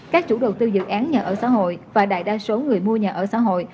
các chủ đầu tư dự án nhà ở xã hội và đại đa số người mua nhà ở xã hội